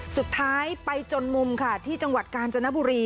สุดท้ายไปจนมุมค่ะที่จังหวัดกาญจนบุรี